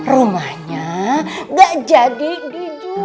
rumahnya gak jadi dijual